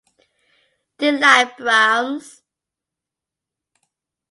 Do You Like Brahms?